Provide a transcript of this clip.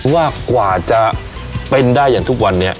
ว่ากว่าจะเป็นได้อย่างทุกวันนี้